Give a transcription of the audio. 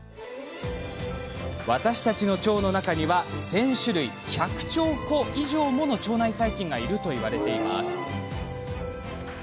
私たちの腸の中には１０００種類１００兆個以上もの腸内細菌がいるといわれています。